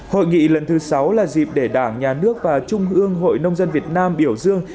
hội nghị lần thứ sáu là dịp để đảng nhà nước và trung ương hội nông dân việt nam biểu dương